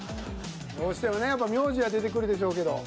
どうしてもねやっぱ名字は出てくるでしょうけど。